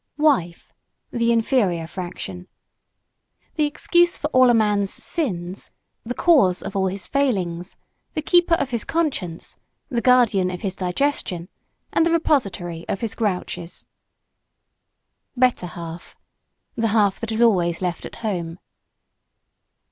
WIFE (The Inferior Fraction) The excuse for all a man's sins, the cause of all his failings, the keeper of his conscience, the guardian of his digestion, and the repository of his grouches. BETTER HALF The half that is always left at home.